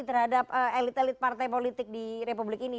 terhadap elit elit partai politik di republik ini